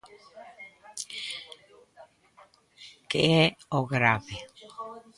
¿Que é o grave?